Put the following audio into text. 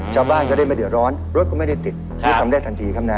ชาวบ้านก็ได้มาเดือดร้อนรถก็ไม่ได้ติดนี่ทำได้ทันทีครับนะ